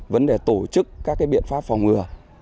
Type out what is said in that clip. vấn đề tổ chức các biện pháp phòng ngừa